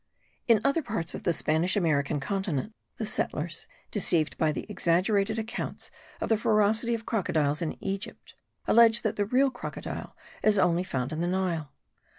In other parts of the Spanish American continent the settlers, deceived by the exaggerated accounts of the ferocity of crocodiles in Egypt, allege that the real crocodile is only found in the Nile.